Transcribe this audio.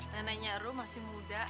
neneknya rom masih muda